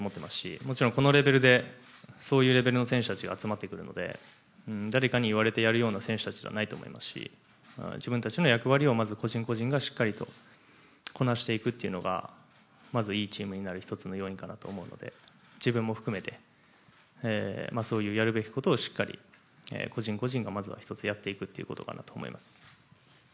もちろんこのレベルでそういうレベルの選手たちが集まってくるので誰かに言われてやるような選手たちではないと思いますし自分たちの役割をまず個人個人がこなしていくのがまずいいチームになる１つの要因かなと思うので自分も含めてそういう、やるべきことをしっかり個人個人が１つやっていくことかなと思います。